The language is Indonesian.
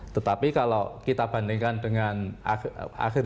kita bisa tahu bahwa total utang luar negeri indonesia saat ini